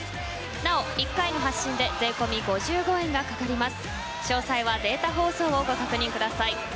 なお、１回の発信で税込み５５円がかかります。